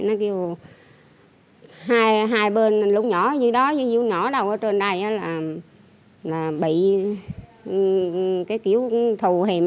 nó kêu hai bên lúc nhỏ như đó như nhỏ đầu ở trên đây là bị cái kiểu thù hiểm